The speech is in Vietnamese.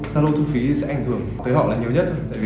zalo thu phí thì sẽ ảnh hưởng tới họ là nhiều nhất thôi